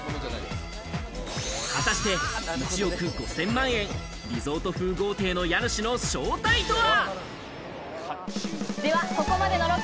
果たして１億５０００万円、リゾート風豪邸の家主の正体とは？